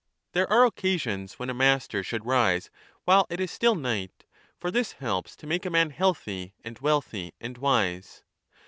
There are occasions when 1 a master should rise while it is still night ; for this helps to make a man healthy and wealthy and wise.